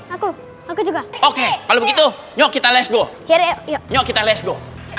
aku aku juga oke kalau begitu yuk kita let's go yuk kita let's go